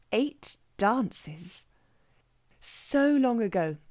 Eight dances! So long ago!